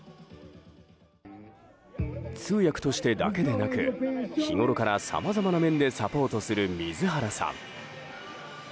通訳としてだけでなく日ごろからさまざまな面でサポートする水原さん。